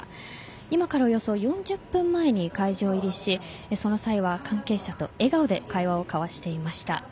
今からおよそ４０分前に会場入りしその際は関係者と笑顔で会話を交わしていました。